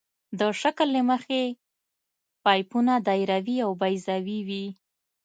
د شکل له مخې پایپونه دایروي او بیضوي وي